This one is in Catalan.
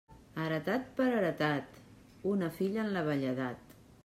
Heretat per heretat, una filla en la velledat.